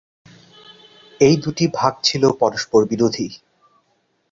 এই দুটি ভাগ ছিল পরস্পরবিরোধী।